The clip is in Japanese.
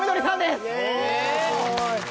すごい！